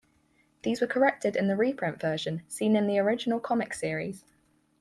These were corrected in the re-print version, seen in the original comic series.